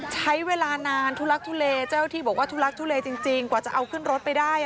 ใช้เวลานานทุลักทุเลเจ้าที่บอกว่าทุลักทุเลจริงกว่าจะเอาขึ้นรถไปได้